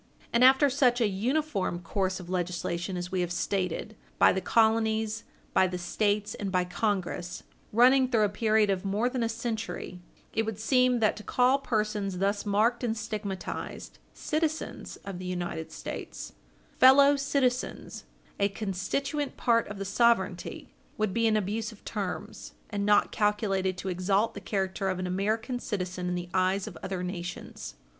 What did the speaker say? And after such an uniform course of legislation as we have stated, by the colonies, by the States, and by Congress, running through a period of more than a century, it would seem that to call persons thus marked and stigmatized "citizens" of the United States, "fellow citizens," a constituent part of the sovereignty, would be an abuse of terms, and not calculated to exalt the character of an American citizen in the eyes of other nations.